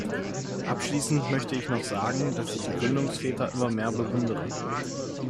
Abschließend möchte ich noch sagen, dass ich die Gründungsväter immer mehr bewundere.